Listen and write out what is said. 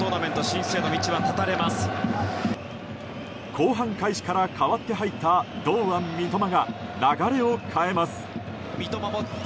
後半開始から代わって入った堂安、三笘が流れを変えます。